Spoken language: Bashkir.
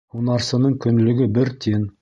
Һунарсының көнлөгө бер тин.